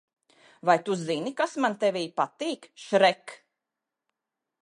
Vai tu zini kas man tevī patīk, Šrek?